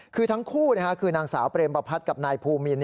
คือทั้งคู่คือนางสาวเปรมประพัฒน์กับนายภูมิน